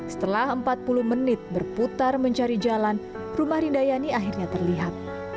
setelah empat puluh menit berputar mencari jalan rumah rindayani akhirnya terlihat